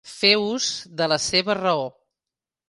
Fer ús de la seva raó.